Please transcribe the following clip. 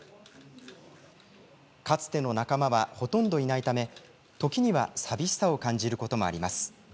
かつての仲間はほとんどいないため時には寂しさを感じることもあります。